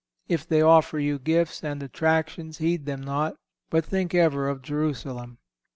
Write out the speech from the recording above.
If they offer you gifts and attractions, heed them not, but think ever of Jerusalem.